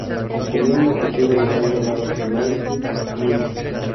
Tenía un noticiero local llamado "Nightly News".